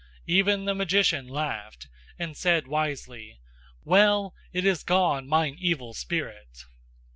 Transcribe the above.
Even the magician laughed, and said wisely: "Well! It is gone, mine evil spirit!